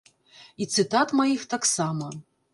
І цытат маіх таксама.